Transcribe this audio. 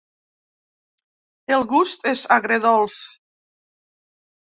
El gust és agredolç.